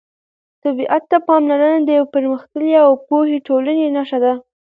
طبیعت ته پاملرنه د یوې پرمختللې او پوهې ټولنې نښه ده.